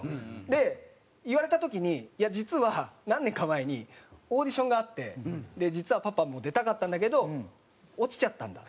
で言われた時に「いや実は何年か前にオーディションがあって実はパパも出たかったんだけど落ちちゃったんだ」。